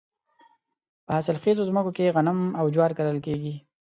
په حاصل خیزو ځمکو کې غنم او جوار کرل کیږي.